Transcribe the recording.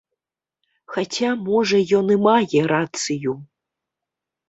Хаця, можа, ён і мае рацыю.